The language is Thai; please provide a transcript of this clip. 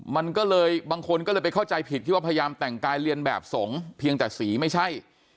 มันก็เลยบางคนก็เลยไปเข้าใจผิดคิดว่าพยายามแต่งกายเรียนแบบสงฆ์เพียงแต่สีไม่ใช่